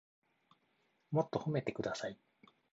もっと褒めてください